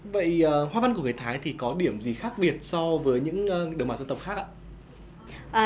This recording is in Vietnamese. vậy hoa văn của người thái thì có điểm gì khác biệt so với những đồng bào dân tộc khác ạ